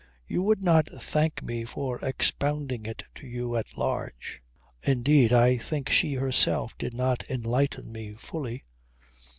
You would not thank me for expounding it to you at large. Indeed I think that she herself did not enlighten me fully.